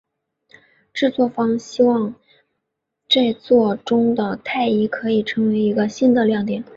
制作方希望这作中的泰伊可以成为一个新的亮点。